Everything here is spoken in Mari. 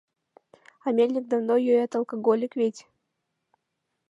А мельник давно юэт, алкоголик веть...